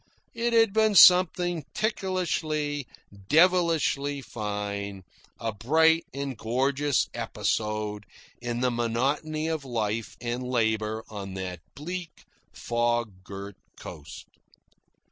It had been something ticklishly, devilishly fine a bright and gorgeous episode in the monotony of life and labour on that bleak, fog girt coast.